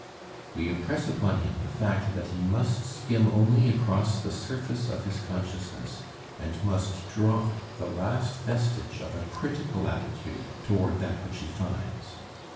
We impress upon him the fact that he must skim only across the surface of his consciousness and must drop the last vestige of a critical attitude toward that which he finds.